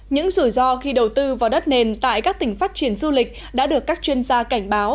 những rủi ro khi đầu tư vào đất nền tại các tỉnh phát triển du lịch đã được các chuyên gia cảnh báo